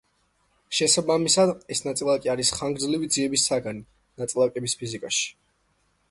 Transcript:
შესაბამისად, ეს ნაწილაკი არის ხანგრძლივი ძიების საგანი ნაწილაკების ფიზიკაში.